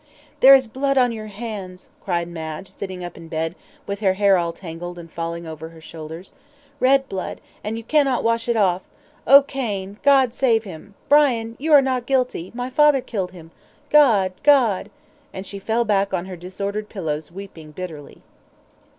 "There is blood on your hands," cried Madge, sitting up in bed, with her hair all tangled and falling over her shoulders; "red blood, and you cannot wash it off. Oh, Cain! God save him! Brian, you are not guilty; my father killed him. God! God!" and she fell back on her disordered pillows weeping bitterly.